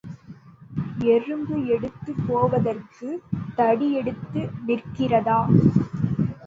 எறும்பு எடுத்துப் போவதற்குத் தடி எடுத்து நிற்கிறதா?